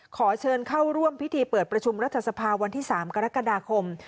ขอเชิญเข้าร่วมพิธีเปิดประชุมรัฐสภาวันที่๓กรกฎาคม